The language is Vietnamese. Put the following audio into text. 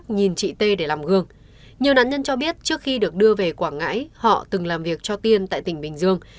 nhiều nạn nhân cho biết trước khi được đưa về quảng ngãi họ từng làm việc cho tiên tại tỉnh bình dương